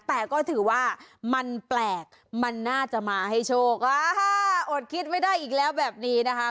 แต่ก็ถือว่ามันแปลกมันน่าจะมาให้โชคอ่าอดคิดไม่ได้อีกแล้วแบบนี้นะคะ